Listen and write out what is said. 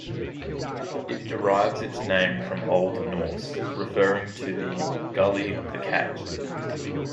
It derives its name from Old Norse, referring to the 'gully of the cat'.